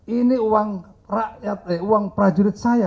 ini uang prajurit saya